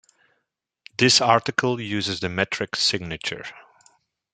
This article uses the metric signature.